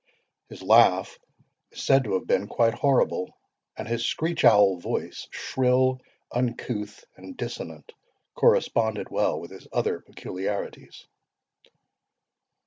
His laugh is said to have been quite horrible; and his screech owl voice, shrill, uncouth, and dissonant, corresponded well with his other peculiarities.